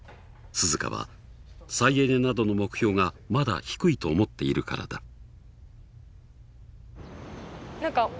涼夏は再エネなどの目標がまだ低いと思っているからだ。